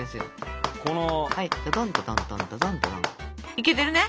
いけてるね？